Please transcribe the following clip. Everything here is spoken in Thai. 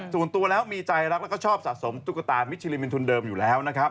สูญตัวแล้วมีใจรักแล้วก็ชอบสะสมตุ๊กตามิชลินเป็นทุนเดิมอยู่แล้ว